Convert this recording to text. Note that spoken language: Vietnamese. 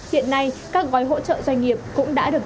hiện nay các gói hỗ trợ doanh nghiệp cũng đã được